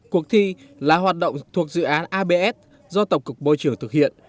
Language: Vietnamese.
cuộc thi là hoạt động thuộc dự án abs do tổng cục môi trường thực hiện